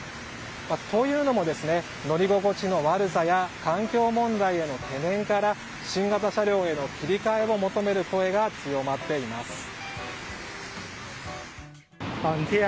というのも、乗り心地の悪さや環境問題への懸念から新型車両への切り替えを求める声が強まっています。